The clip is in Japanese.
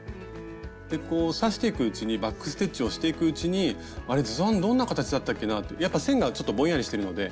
刺していくうちにバック・ステッチをしていくうちにあれ図案どんな形だったっけなってやっぱ線がちょっとぼんやりしてるので。